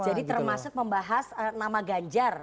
jadi termasuk membahas nama ganjar